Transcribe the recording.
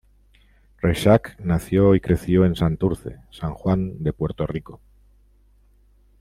Rexach nació y creció en Santurce, San Juan de Puerto Rico.